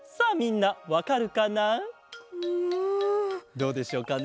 どうでしょうかね？